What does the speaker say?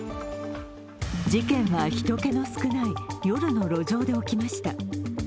事件は人けの少ない夜の路上で起きました。